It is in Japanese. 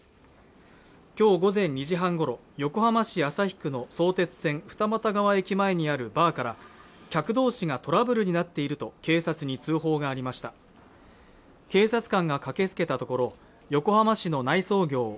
きょう午前２時半ごろ横浜市旭区の相鉄線二俣川駅前にあるバーから客同士がトラブルになっていると警察に通報がありました警察官が駆けつけたところ横浜市の内装業